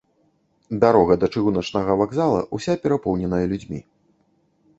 Дарога да чыгуначнага вакзала ўся перапоўненая людзьмі.